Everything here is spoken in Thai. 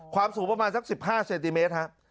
สูงประมาณสัก๑๕เซนติเมตรครับ